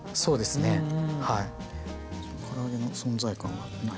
から揚げの存在感がない。